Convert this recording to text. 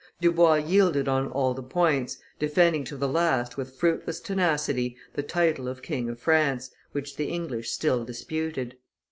Dubois yielded on all the points, defending to the last with fruitless tenacity the title of King of France, which the English still disputed.